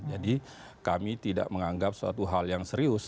jadi kami tidak menganggap suatu hal yang serius